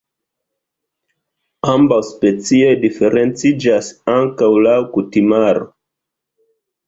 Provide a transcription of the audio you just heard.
Ambaŭ specioj diferenciĝas ankaŭ laŭ kutimaro.